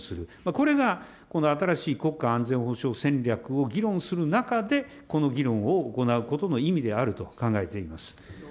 これがこの新しい国家安全保障戦略を議論する中で、この議論を行うことの意味であると考えています。